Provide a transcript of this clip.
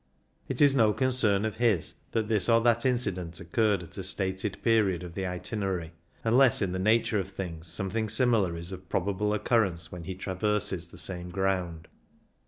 It is no concern of his that this or that incident occurred at a stated period of the itinerary, unless in the nature of things something similar is of probable occurrence when he traverses the same ground.